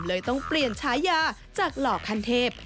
เลยต้องเปลี่ยนฉายาจากหล่อคันเทพ